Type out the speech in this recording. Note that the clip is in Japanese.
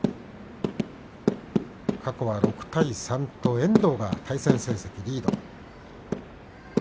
過去は６対３と遠藤が対戦成績リード。